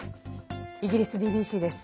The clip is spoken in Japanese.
イギリスＢＢＣです。